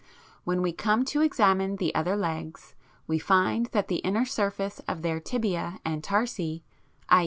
When we come to examine the other legs we find that the inner surface of their tibiæ and tarsi, i.